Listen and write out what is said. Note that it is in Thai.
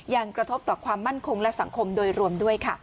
กระทบต่อความมั่นคงและสังคมโดยรวมด้วยค่ะ